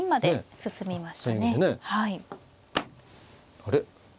あれ？